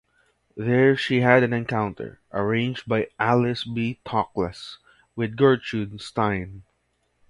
There she had an encounter, arranged by Alice B. Toklas, with Gertrude Stein.